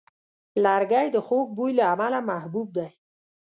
لرګی د خوږ بوی له امله محبوب دی.